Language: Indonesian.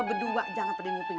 lo berdua jangan pedengupin